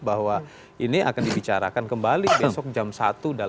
bahwa ini akan dibicarakan kembali besok jam satu